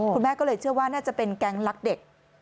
คุณแม่ก็เลยเชื่อว่าน่าจะเป็นแก๊งรักเด็ก